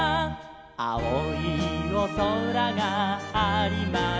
「あおいおそらがありました」